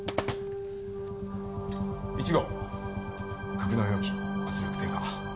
１号格納容器圧力低下。